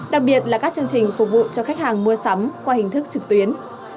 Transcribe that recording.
đặc biệt là các chương trình phục vụ cho khách hàng mua sắm qua hình thức trực tuyến